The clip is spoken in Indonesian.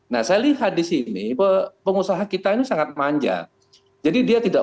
nah saya lihat di sini pengusaha kita ini sangat manja jadi dia tidak